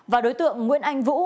và đối tượng nguyễn anh vũ